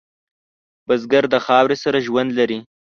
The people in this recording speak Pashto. بزګر د خاورې سره ژوند لري